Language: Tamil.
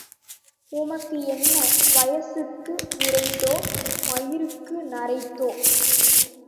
உமக்கு என்ன, வயசுக்கு நரைத்ததோ, மயிருக்கு நரைத்ததோ?